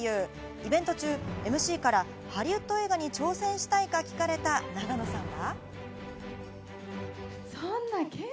イベント中、ＭＣからハリウッド映画に挑戦したいか聞かれた永野さんは。